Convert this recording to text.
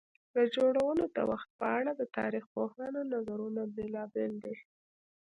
د جوړولو د وخت په اړه د تاریخ پوهانو نظرونه بېلابېل دي.